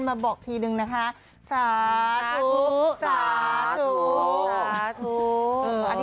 สาดุสาดุสาดุ